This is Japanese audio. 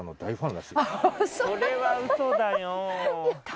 それはウソだよ。